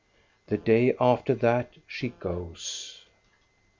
The day after that she goes.